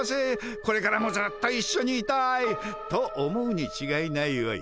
これからもずっといっしょにいたい」と思うにちがいないわい。